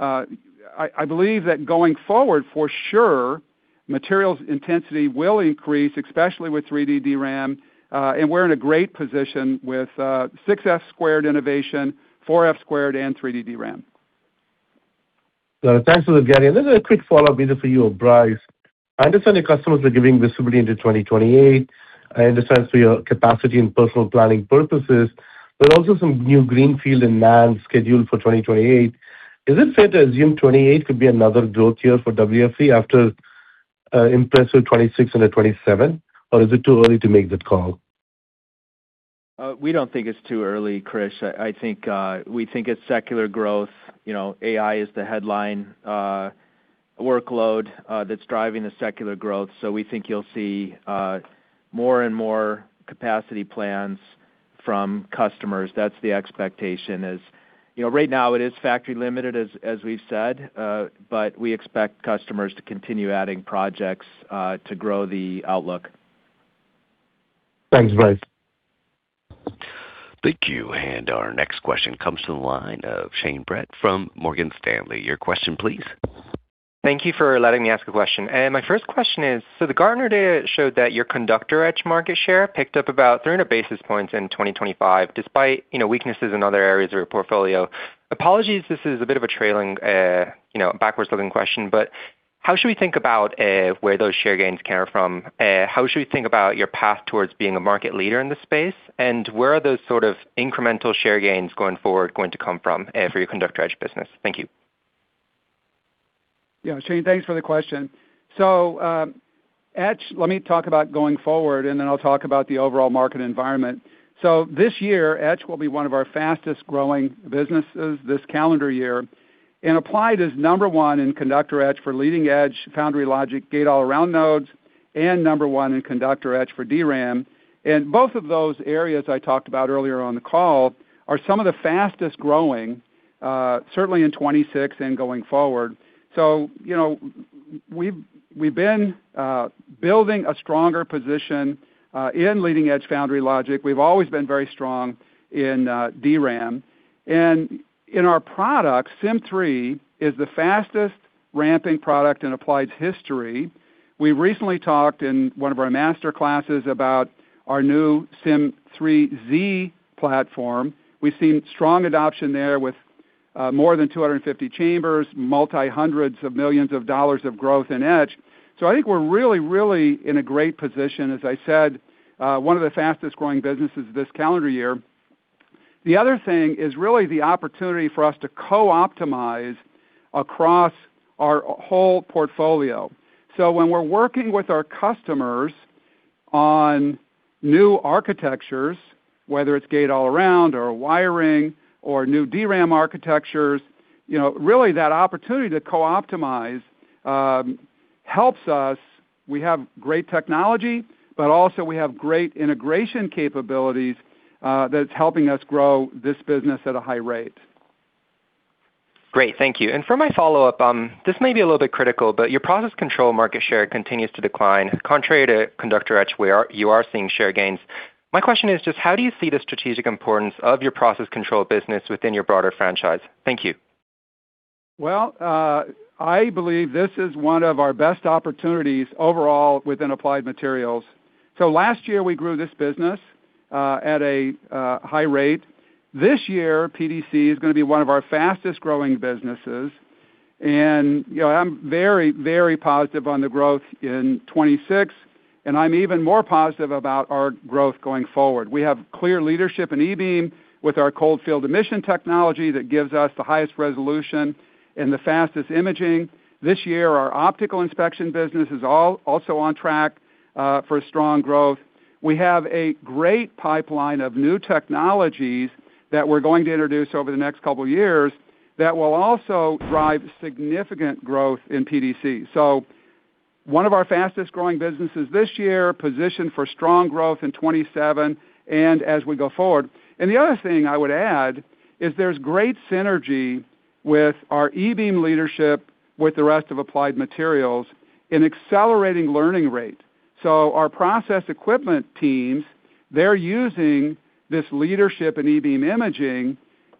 I believe that going forward, for sure, materials intensity will increase, especially with 3D DRAM, and we're in a great position with 6F² innovation, 4F², and 3D DRAM. Thanks for that, Gary. A quick follow-up maybe for you, Brice. I understand your customers are giving visibility into 2028. I understand it's for your capacity and personal planning purposes, but also some new greenfield in NAND scheduled for 2028. Is it fair to assume 2028 could be another growth year for WFE after impressive 2026 into 2027, or is it too early to make that call? We don't think it's too early, Krish. I think, we think it's secular growth. You know, AI is the headline workload that's driving the secular growth. We think you'll see more and more capacity plans from customers. That's the expectation is You know, right now it is factory limited as we've said, but we expect customers to continue adding projects to grow the outlook. Thanks, Brice. Thank you. Our next question comes to the line of Shane Brett from Morgan Stanley. Your question please. Thank you for letting me ask a question. My first question is, the Gartner data showed that your conductor etch market share picked up about 300 basis points in 2025, despite, you know, weaknesses in other areas of your portfolio. Apologies, this is a bit of a trailing, you know, backwards-looking question, how should we think about where those share gains came from? How should we think about your path towards being a market leader in this space? Where are those sort of incremental share gains going forward going to come from for your conductor etch business? Thank you. Yeah, Shane. Thanks for the question. Etch, let me talk about going forward, and then I'll talk about the overall market environment. This year, etch will be one of our fastest-growing businesses this calendar year, and Applied is number one in conductor etch for leading-edge foundry logic, gate-all-around nodes, and number one in conductor etch for DRAM. Both of those areas I talked about earlier on the call are some of the fastest-growing, certainly in 2026 and going forward. You know, we've been building a stronger position in leading-edge foundry logic. We've always been very strong in DRAM. In our products, Sym3 is the fastest-ramping product in Applied's history. We recently talked in one of our Master Classes about our new Sym3Z platform. We've seen strong adoption there with more than 250 chambers, multi-hundreds of millions of dollars of growth in etch. I think we're really in a great position, as I said, one of the fastest-growing businesses this calendar year. The other thing is really the opportunity for us to co-optimize across our whole portfolio. When we're working with our customers on new architectures, whether it's gate-all-around or wiring or new DRAM architectures, you know, really that opportunity to co-optimize helps us. We have great technology, but also we have great integration capabilities that's helping us grow this business at a high rate. Great. Thank you. For my follow-up, this may be a little bit critical, but your process control market share continues to decline, contrary to Conductor etch, where you are seeing share gains. My question is just how do you see the strategic importance of your process control business within your broader franchise? Thank you. I believe this is one of our best opportunities overall within Applied Materials. Last year, we grew this business at a high rate. This year, PDC is gonna be one of our fastest-growing businesses. You know, I'm very, very positive on the growth in 2026, and I'm even more positive about our growth going forward. We have clear leadership in E-beam with our cold field emission technology that gives us the highest resolution and the fastest imaging. This year, our optical inspection business is also on track for strong growth. We have a great pipeline of new technologies that we're going to introduce over the next couple of years that will also drive significant growth in PDC. One of our fastest-growing businesses this year, positioned for strong growth in 2027 and as we go forward. The other thing I would add is there's great synergy with our E-beam leadership with the rest of Applied Materials in accelerating learning rate. Our process equipment teams, they're using this leadership in E-beam imaging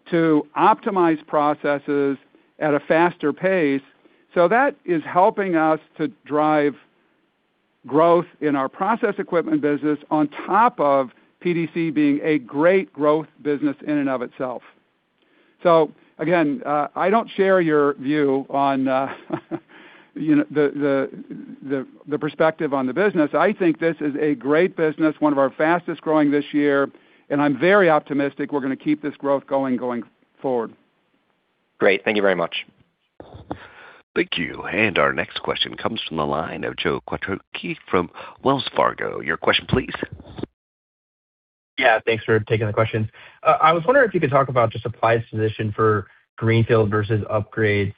to optimize processes at a faster pace. That is helping us to drive growth in our process equipment business on top of PDC being a great growth business in and of itself. Again, I don't share your view on, you know, the perspective on the business. I think this is a great business, one of our fastest-growing this year, and I'm very optimistic we're gonna keep this growth going forward. Great. Thank you very much. Thank you. Our next question comes from the line of Joe Quatrochi from Wells Fargo. Your question, please. Yeah. Thanks for taking the questions. I was wondering if you could talk about just Applied's position for greenfield versus upgrades.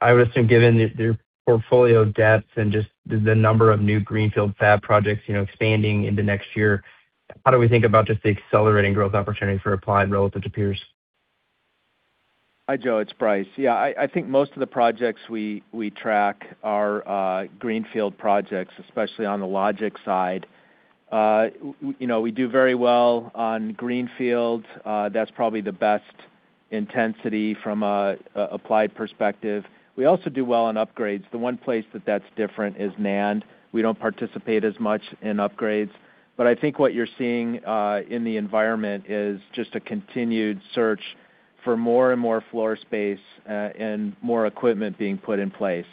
I would assume given their portfolio depth and just the number of new greenfield fab projects, you know, expanding into next year, how do we think about just the accelerating growth opportunity for Applied relative to peers? Hi, Joe. It's Brice. Yeah. I think most of the projects we track are greenfield projects, especially on the logic side. We, you know, we do very well on greenfield. That's probably the best intensity from a Applied perspective. We also do well on upgrades. The one place that that's different is NAND. We don't participate as much in upgrades. I think what you're seeing in the environment is just a continued search for more and more floor space and more equipment being put in place.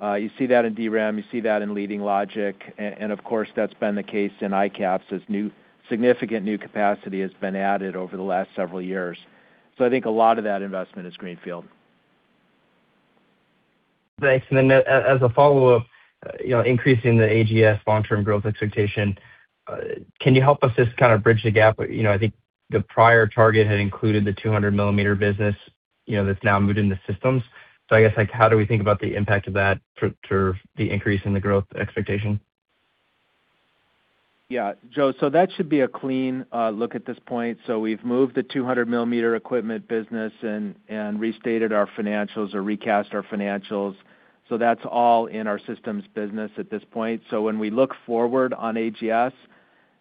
You see that in DRAM, you see that in leading logic, and of course, that's been the case in ICAPS as significant new capacity has been added over the last several years. I think a lot of that investment is greenfield. Thanks. As a follow-up, you know, increasing the AGS long-term growth expectation, can you help us just kind of bridge the gap? You know, I think the prior target had included the 200 millimeter business, you know, that's now moved into Systems. I guess, like, how do we think about the impact of that for the increase in the growth expectation? Joe, that should be a clean look at this point. We've moved the 200 millimeter equipment business and restated our financials or recast our financials. That's all in our systems business at this point. When we look forward on AGS,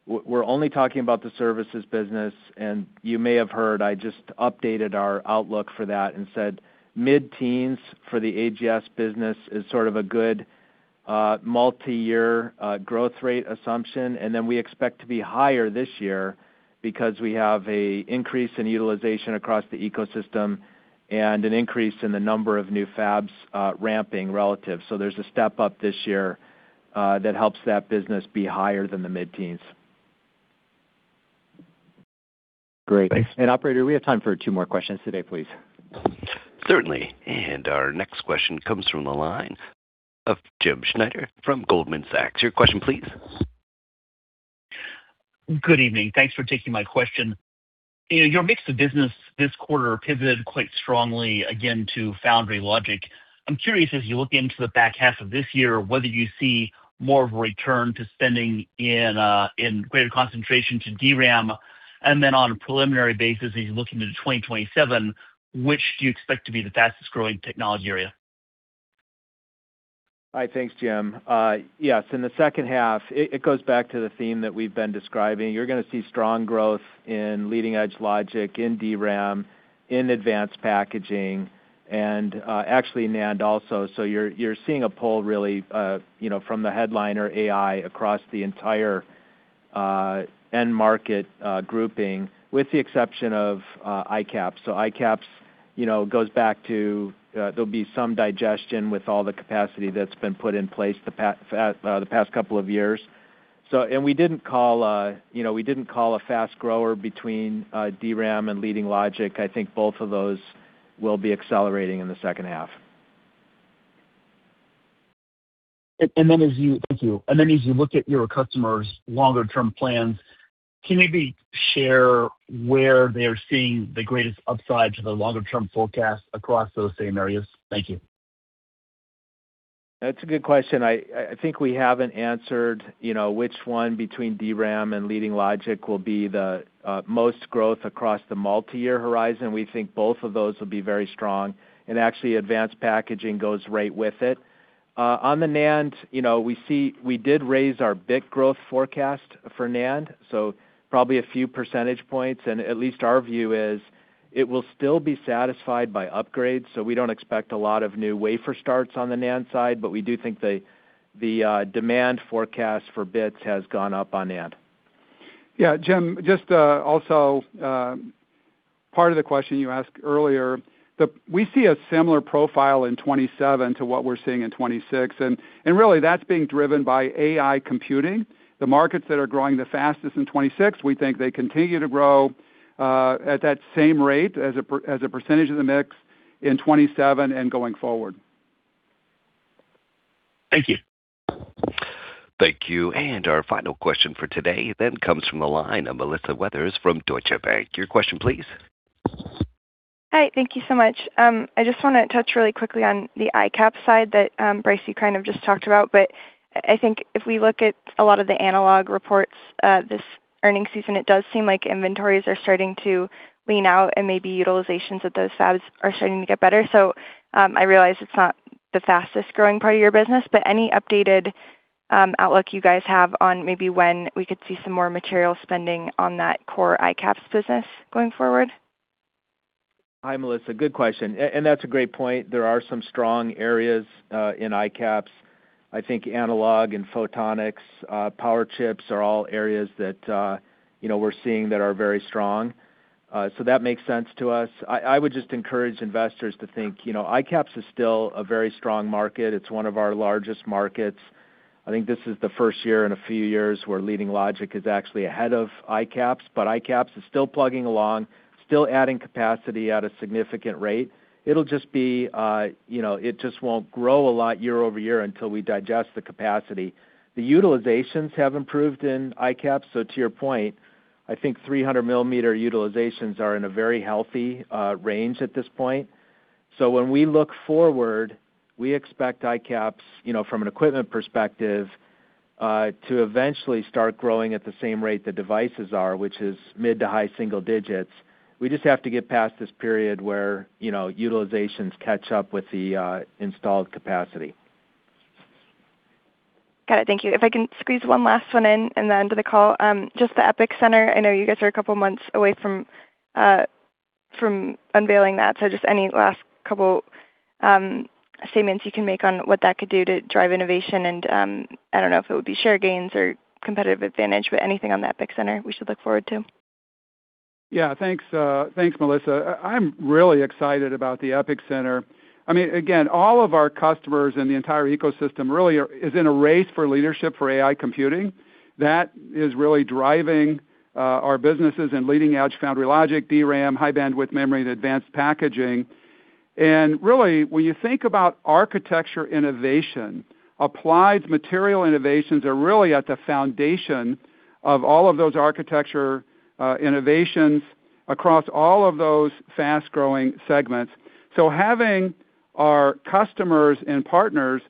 we're only talking about the services business, and you may have heard, I just updated our outlook for that and said mid-teens for the AGS business is sort of a good multi-year growth rate assumption. We expect to be higher this year because we have a increase in utilization across the ecosystem and an increase in the number of new fabs ramping relative. There's a step up this year that helps that business be higher than the mid-teens. Great. Thanks. Operator, we have time for two more questions today, please. Certainly. Our next question comes from the line of Toshiya Hari from Goldman Sachs. Your question please. Good evening. Thanks for taking my question. You know, your mix of business this quarter pivoted quite strongly again to foundry logic. I'm curious, as you look into the back half of this year, whether you see more of a return to spending in greater concentration to DRAM, and then on a preliminary basis, as you look into 2027, which do you expect to be the fastest growing technology area? Hi. Thanks, Toshiya. Yes, in the second half, it goes back to the theme that we've been describing. You're gonna see strong growth in leading edge logic, in DRAM, in advanced packaging, and actually NAND also. You're seeing a pull really, you know, from the headliner AI across the entire end market grouping, with the exception of ICAPS. ICAPS, you know, goes back to there'll be some digestion with all the capacity that's been put in place the past couple of years. We didn't call, you know, we didn't call a fast grower between DRAM and leading logic. I think both of those will be accelerating in the second half. Thank you. As you look at your customers' longer term plans, can you maybe share where they are seeing the greatest upside to the longer term forecast across those same areas? Thank you. That's a good question. I think we haven't answered, you know, which one between DRAM and leading logic will be the most growth across the multi-year horizon. We think both of those will be very strong, and actually advanced packaging goes right with it. On the NAND, you know, we did raise our bit growth forecast for NAND, so probably a few percentage points. At least our view is it will still be satisfied by upgrades, so we don't expect a lot of new wafer starts on the NAND side, but we do think the demand forecast for bits has gone up on NAND. Yeah, Jim, just also part of the question you asked earlier, we see a similar profile in 2027 to what we're seeing in 2026, and really that's being driven by AI computing. The markets that are growing the fastest in 2026, we think they continue to grow at that same rate as a percentage of the mix in 2027 and going forward. Thank you. Thank you. Our final question for today then comes from the line of Melissa Weathers from Deutsche Bank. Your question please. Hi, thank you so much. I just wanna touch really quickly on the ICAPS side that, Brice, you kind of just talked about. I think if we look at a lot of the analog reports, this earning season, it does seem like inventories are starting to lean out and maybe utilizations at those fabs are starting to get better. I realize it's not the fastest growing part of your business, but any updated outlook you guys have on maybe when we could see some more material spending on that core ICAPS's business going forward? Hi, Melissa. Good question. That's a great point. There are some strong areas in ICAPS. I think analog and photonics, power chips are all areas that, you know, we're seeing that are very strong. That makes sense to us. I would just encourage investors to think, you know, ICAPS is still a very strong market. It's one of our largest markets. I think this is the first year in a few years where leading logic is actually ahead of ICAPS is still plugging along, still adding capacity at a significant rate. It'll just be, you know, it just won't grow a lot year-over-year until we digest the capacity. The utilizations have improved in ICAPS, to your point, I think 300 millimeter utilizations are in a very healthy range at this point. When we look forward, we expect ICAPS's, you know, from an equipment perspective, to eventually start growing at the same rate the devices are, which is mid to high single digits. We just have to get past this period where, you know, utilizations catch up with the installed capacity. Got it. Thank you. If I can squeeze one last one in in the end of the call, just the EPIC Center. I know you guys are a couple of months away from unveiling that, so just any last couple statements you can make on what that could do to drive innovation and, I don't know if it would be share gains or competitive advantage, but anything on the EPIC Center we should look forward to? Yeah. Thanks, thanks, Melissa. I'm really excited about the EPIC Center. I mean, again, all of our customers in the entire ecosystem really is in a race for leadership for AI computing. That is really driving our businesses in leading edge foundry logic, DRAM, high-bandwidth memory, and advanced packaging. Really, when you think about architecture innovation, Applied's material innovations are really at the foundation of all of those architecture innovations across all of those fast-growing segments. Having our customers and partners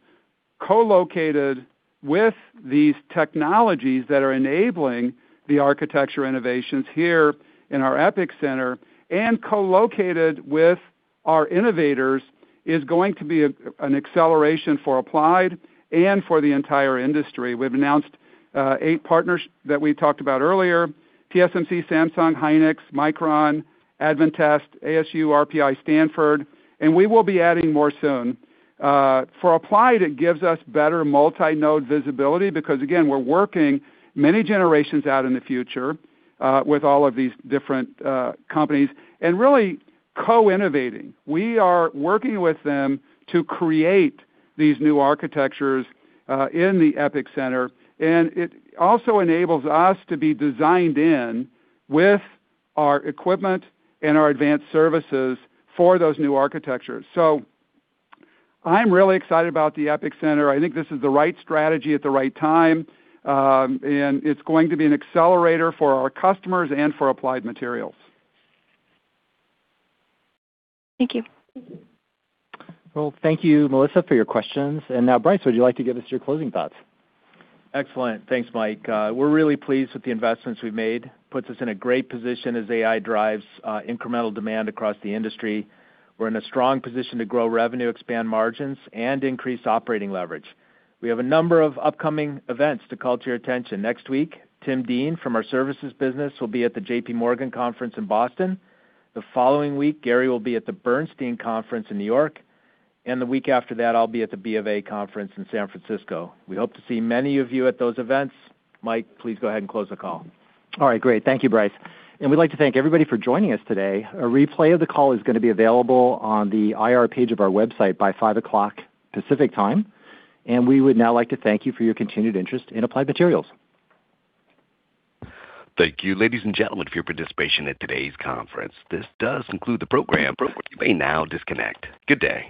co-located with these technologies that are enabling the architecture innovations here in our EPIC Center and co-located with our innovators is going to be an acceleration for Applied and for the entire industry. We've announced eight partners that we talked about earlier, TSMC, Samsung, Hynix, Micron, Advantest, ASU, RPI, Stanford, and we will be adding more soon. For Applied, it gives us better multi-node visibility because, again, we're working many generations out in the future with all of these different companies and really co-innovating. We are working with them to create these new architectures in the EPIC Center, and it also enables us to be designed in with our equipment and our advanced services for those new architectures. I'm really excited about the EPIC Center. I think this is the right strategy at the right time, and it's going to be an accelerator for our customers and for Applied Materials. Thank you. Well, thank you, Melissa, for your questions. Now, Brice, would you like to give us your closing thoughts? Excellent. Thanks, Mike. We're really pleased with the investments we've made, puts us in a great position as AI drives incremental demand across the industry. We're in a strong position to grow revenue, expand margins, and increase operating leverage. We have a number of upcoming events to call to your attention. Next week, Tim Deane from our services business will be at the JPMorgan conference in Boston. The following week, Gary will be at the Bernstein conference in New York, and the week after that, I'll be at the BofA conference in San Francisco. We hope to see many of you at those events. Mike, please go ahead and close the call. All right, great. Thank you, Brice. We'd like to thank everybody for joining us today. A replay of the call is gonna be available on the IR page of our website by 5:00 P.M. Pacific Time. We would now like to thank you for your continued interest in Applied Materials. Thank you, ladies and gentlemen, for your participation in today's conference. This does conclude the program. You may now disconnect. Good day.